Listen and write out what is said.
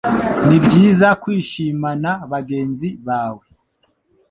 Nibyiza kwishimana bagenzi bawe